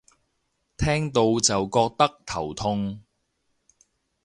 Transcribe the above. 聽到就覺得頭痛